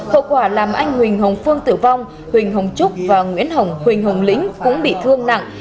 hậu quả làm anh huỳnh hồng phương tử vong huỳnh hồng trúc và nguyễn hồng huỳnh hồng lĩnh cũng bị thương nặng